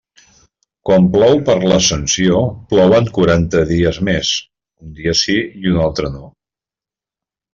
Quan plou per l'Ascensió, plouen quaranta dies més; un dia sí i un altre no.